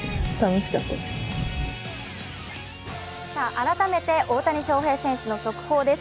改めて大谷翔平選手の速報です。